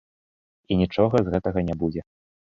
І нічога з гэтага не будзе.